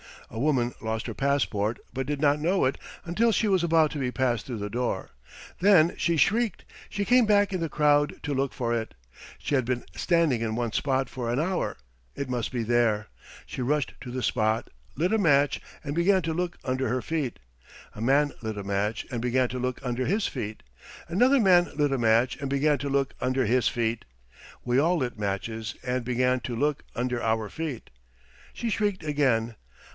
A woman lost her passport, but did not know it until she was about to be passed through the door. Then she shrieked. She came back in the crowd to look for it. She had been standing in one spot for an hour it must be there. She rushed to the spot, lit a match, and began to look under her feet. A man lit a match and began to look under his feet. Another man lit a match and began to look under his feet. We all lit matches and began to look under our feet. She shrieked again.